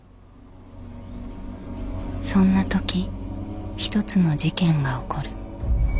そんな時一つの事件が起こる。